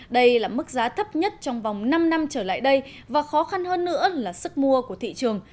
đây là mức giá thấp nhất trong vòng năm năm trở lại đây và khó khăn hơn nữa là sức mua của thị trường